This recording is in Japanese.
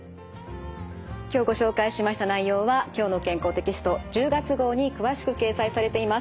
今日ご紹介しました内容は「きょうの健康」テキスト１０月号に詳しく掲載されています。